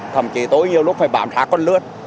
thậm chí tôi nhiều lúc phải bạm rã con lướt